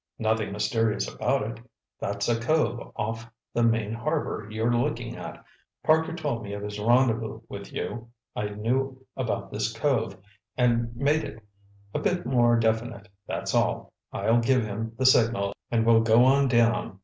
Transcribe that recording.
"Nothing mysterious about it. That's a cove off the main harbor you're looking at. Parker told me of his rendezvous with you. I knew about this cove, and made it a bit more definite, that's all. I'll give him the signal and we'll go on down."